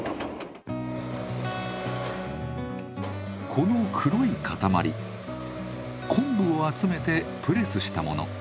この黒い塊昆布を集めてプレスしたもの。